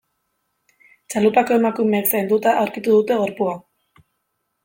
Txalupako emakumeek zainduta aurkitu dute gorpua.